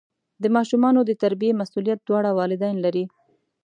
د ماشومانو د تربیې مسؤلیت دواړه والدین لري.